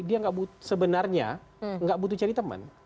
dia nggak butuh sebenarnya nggak butuh cari teman